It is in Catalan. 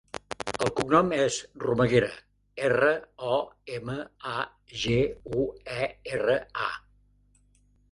El cognom és Romaguera: erra, o, ema, a, ge, u, e, erra, a.